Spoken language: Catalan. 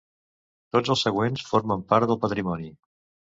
Tots els següents formen part del patrimoni.